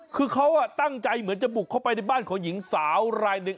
คือเขาตั้งใจเหมือนจะบุกเข้าไปในบ้านของหญิงสาวรายหนึ่ง